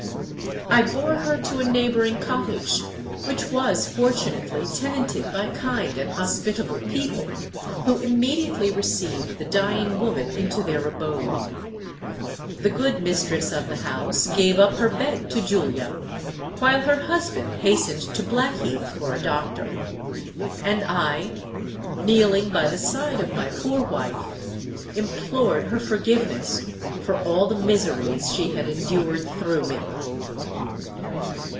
I bore her to a neighbouring cottage, which was fortunately tenanted by kind and hospitable people, who immediately received the dying woman into their abode. The good mistress of the house gave up her bed to Julia, while her husband hastened to Blackheath for a doctor. And I, kneeling by the side of my poor wife, implored her forgiveness for all the miseries she had endured through me.